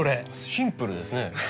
シンプルですね。